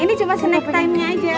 ini cuma snack timenya aja